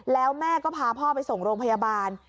แล้วแม่ก็พาพ่อไปส่งโรงพยาบาล